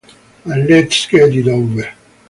And let's get it over.